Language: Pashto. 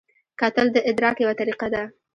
کتل د ادراک یوه طریقه ده